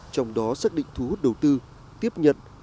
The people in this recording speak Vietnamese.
trong đó xác định thu hút đầu tư tiếp nhận